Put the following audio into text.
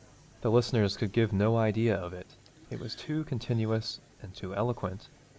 The listeners could give no idea of it: it was too continuous and too eloquent.